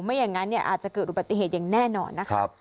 ไม่อย่างนั้นอาจจะเกิดอุบัติเหตุอย่างแน่นอนนะครับ